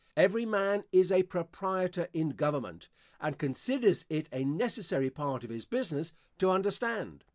Every man is a proprietor in government, and considers it a necessary part of his business to understand.